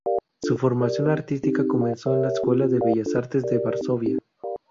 Su formación artística comenzó en la escuela de Bellas Artes de Varsovia.